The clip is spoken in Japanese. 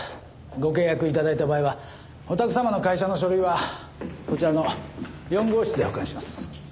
ご契約いただいた場合はお宅様の会社の書類はこちらの４号室で保管します。